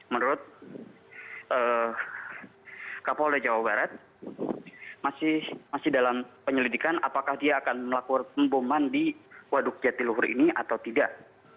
menurut kapolda jawa barat masih dalam penyelidikan apakah dia akan melakukan pemboman di waduk jatiluhur ini atau tidak